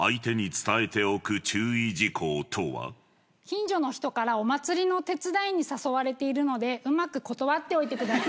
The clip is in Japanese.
近所の人からお祭りの手伝いに誘われているのでうまく断っておいてください。